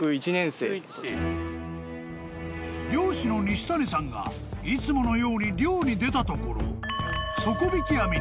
［漁師の西谷さんがいつものように漁に出たところ底引き網に］